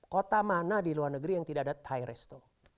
kota mana di luar negeri yang tidak ada thai resto